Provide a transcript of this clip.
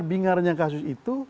bingarnya kasus itu